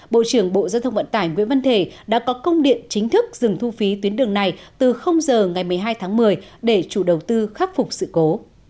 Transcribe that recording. bộ trưởng bộ giao thông vận tải nguyễn văn thể đã có công điện chính thức dừng thu phí tuyến đường này từ giờ ngày một mươi hai tháng một mươi để chủ đầu tư khắc phục sự cố